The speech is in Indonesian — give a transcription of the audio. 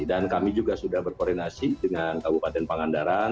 dan kami juga sudah berkoordinasi dengan kabupaten pangandaran